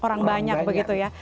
orang banyak begitu ya